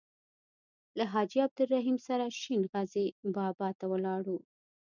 له حاجي عبدالرحیم سره شین غزي بابا ته ولاړو.